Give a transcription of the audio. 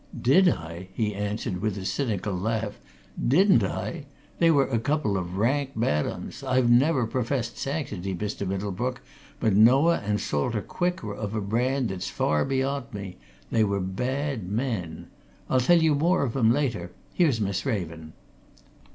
"Did I?" he answered with a cynical laugh. "Didn't I? They were a couple of rank bad 'uns! I have never professed sanctity, Mr. Middlebrook, but Noah and Salter Quick were of a brand that's far beyond me they were bad men. I'll tell you more of 'em, later here's Miss Raven."